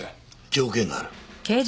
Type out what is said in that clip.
条件がある。